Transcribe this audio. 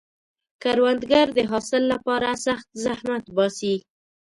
کروندګر د حاصل لپاره سخت زحمت باسي